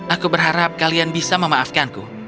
aku berharap kalian bisa memaafkanku